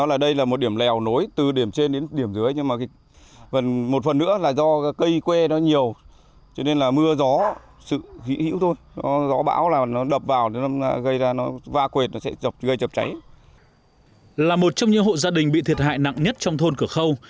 là một trong những hộ gia đình bị thiệt hại nặng nhất trong thôn cửa khâu